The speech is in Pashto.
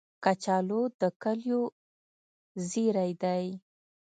کچالو د کلیو زېری دی